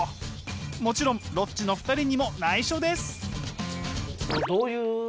もちろんロッチの２人にもないしょです。